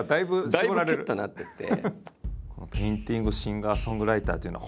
だいぶきゅっとなってて。